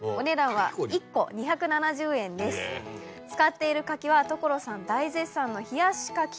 使っている柿は所さん大絶賛の。